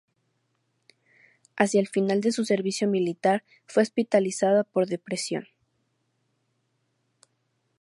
Hacia el final de su servicio militar fue hospitalizada por depresión.